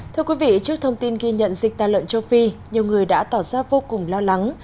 thưa quý vị trước thông tin ghi nhận dịch tà lợn châu phi nhiều người đã tỏ ra vô cùng lo lắng